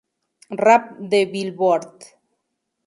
Rap de Billboard.